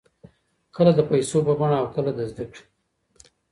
کله د پیسو په بڼه او کله د زده کړې.